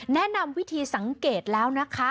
แนะนำวิธีสังเกตแล้วนะคะ